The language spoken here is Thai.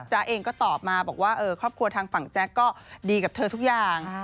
เองก็ตอบมาบอกว่าครอบครัวทางฝั่งแจ๊กก็ดีกับเธอทุกอย่าง